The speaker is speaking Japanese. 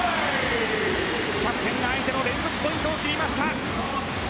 キャプテンが相手の連続ポイントを切りました。